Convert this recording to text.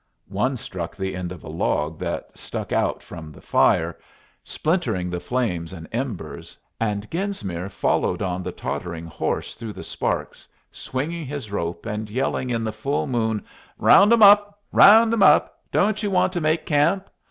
One struck the end of a log that stuck out from the fire, splintering the flames and embers, and Genesmere followed on the tottering horse through the sparks, swinging his rope and yelling in the full moon: "Round 'em up! round 'em up! Don't you want to make camp?